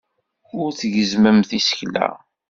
Ur tgezzmemt isekla.